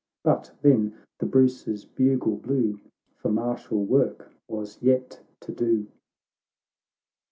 But then the Bruce's bugle blew, For martial work was yet to do.